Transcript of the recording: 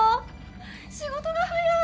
仕事が早い！